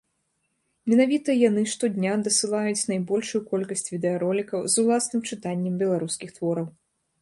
Менавіта яны штодня дасылаюць найбольшую колькасць відэаролікаў з уласным чытаннем беларускіх твораў.